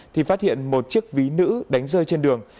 thì phát hiện một chiếc ví nữ đánh rơi trên đường